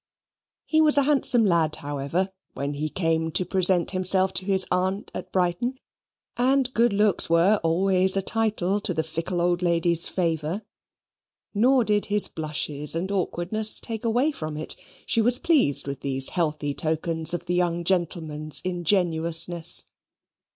He was a handsome lad, however, when he came to present himself to his aunt at Brighton, and good looks were always a title to the fickle old lady's favour. Nor did his blushes and awkwardness take away from it: she was pleased with these healthy tokens of the young gentleman's ingenuousness.